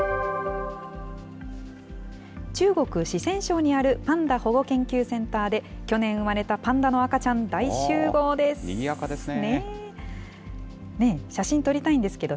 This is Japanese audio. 中国・四川省にあるパンダ保護研究センターで、去年産まれたパンダの赤ちゃん大集合です。